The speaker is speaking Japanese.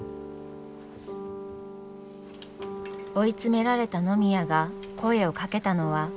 追い詰められた野宮が声をかけたのは。